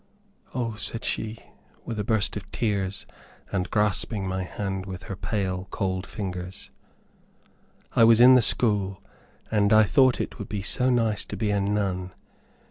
"O," said she, with a burst of tears, and grasping my hand with her pale, cold fingers, "I was in the school, and I thought it would be so nice to be a nun!